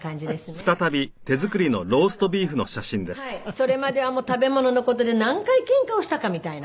それまではもう食べ物の事で何回けんかをしたかみたいな。